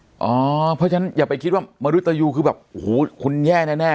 เพราะฉะนั้นอย่าไปคิดว่ามนุษยูคือแบบโอ้โหคุณแย่แน่